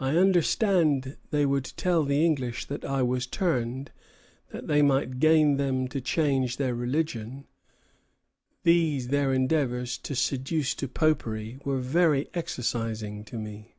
I understood they would tell the English that I was turned, that they might gain them to change their religion. These their endeavors to seduce to popery were very exercising to me."